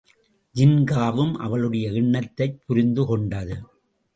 ஜின்காவும் அவளுடைய எண்ணத்தைப் புரிந்துகொண்டது.